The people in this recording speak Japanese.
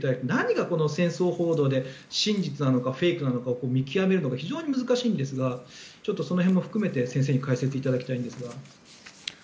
何がこの戦争報道で真実なのかフェイクなのかを見極めるのが非常に難しいんですがその辺も含めて、先生に解説いただきたいんですが。